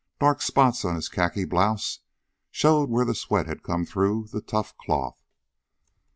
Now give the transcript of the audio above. Dark spots on his khaki blouse showed where the sweat had come through the tough cloth.